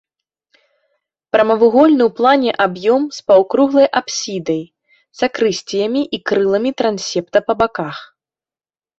Прамавугольны ў плане аб'ём з паўкруглай апсідай, сакрысціямі і крыламі трансепта па баках.